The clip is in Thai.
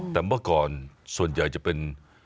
แต่เมื่อก่อนส่วนใหญ่จะเป็น